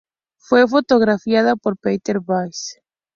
Fue fotografiada por Peter Basch.